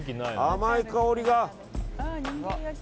甘い香りが。